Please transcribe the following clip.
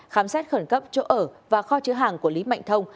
khám xét khẩn cấp chỗ ở và kho chứa hàng của lý mạnh thông